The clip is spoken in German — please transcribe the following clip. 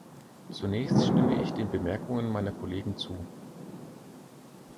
Zunächst stimme ich den Bemerkungen meiner Kollegen zu.